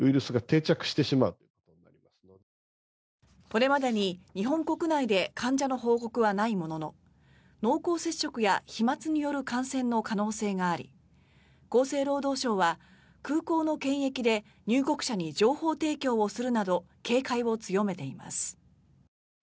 これまでに日本国内で患者の報告はないものの濃厚接触や飛まつによる感染の可能性があり厚生労働省は空港の検疫で入国者に情報提供をするなど警戒を強めています。